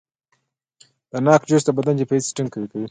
د ناک جوس د بدن دفاعي سیستم قوي کوي.